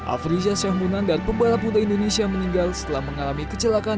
afrizah munandar pembalap muda indonesia meninggal setelah mengalami kecelakaan